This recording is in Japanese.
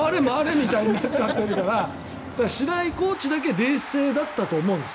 みたいになっちゃってるから白井コーチだけ冷静だったと思うんです。